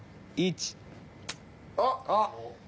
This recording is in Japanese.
あっ。